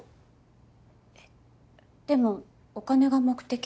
えっでもお金が目的だって。